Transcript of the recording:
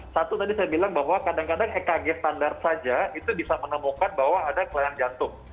satu tadi saya bilang bahwa kadang kadang ekg standar saja itu bisa menemukan bahwa ada kelayang jantung